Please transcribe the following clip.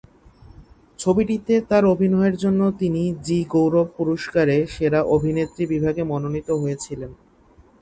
ছবিটিতে তার অভিনয়ের জন্য তিনি জি গৌরব পুরস্কারে সেরা অভিনেত্রী বিভাগে মনোনীত হয়েছিলেন।